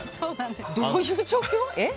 どういう状況？